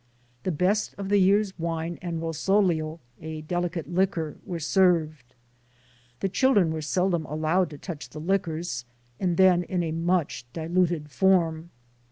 The best of the year's wine and "rosolio" a delicate liquor were served. The children were seldom allowed to touch the liquors, and then in a much diluted form.